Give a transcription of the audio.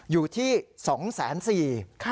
อยู่ที่๒๔๐๐๐๐